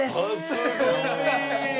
すごい！